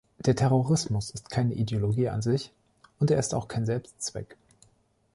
Der Terrorismus ist keine Ideologie an sich, und er ist auch kein Selbstzweck.